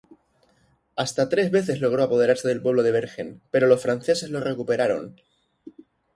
Hasta tres veces logró apoderarse del pueblo de Bergen, pero los franceses lo recuperaron.